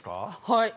はい。